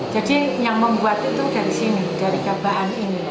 jadi yang membuat itu dari sini dari kampung gabahan ini